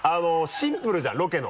シンプルじゃんロケの。